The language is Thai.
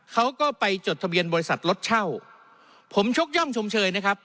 เขาก็ไปจดทะเบียนบริษัทรถเช่าผมชกย่องชมเชยนะครับ